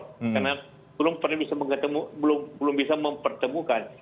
karena belum pernah bisa mengetemu belum bisa mempertemukan